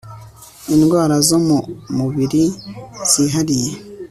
indwara zo mumubiri zihariye